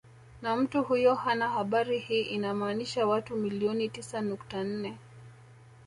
Na mtu huyo hana habari hii inamaanisha watu milioni tisa nukta nne